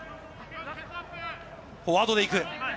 フォワードで行く。